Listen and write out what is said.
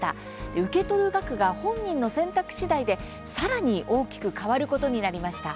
受け取る額が本人の選択しだいでさらに大きく変わることになりました。